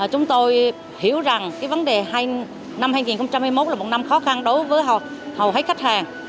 chúng tôi hiểu rằng vấn đề năm hai nghìn hai mươi một là một năm khó khăn đối với hầu hết khách hàng